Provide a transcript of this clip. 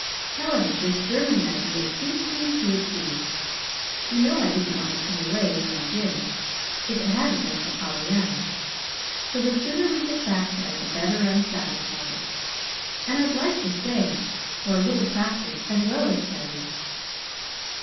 However, this Germany idea suits me to a T. You know I didn't want to come away when I did if it hadn't been for Pollyanna. So the sooner we get back there the better I'm satisfied. And I'd like to stay for a little practice, as well as study."